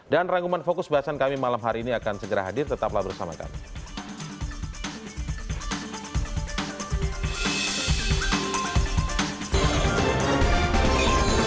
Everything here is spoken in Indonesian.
dan rangkuman fokus bahasan kami malam hari ini akan segera hadir tetaplah bersama kami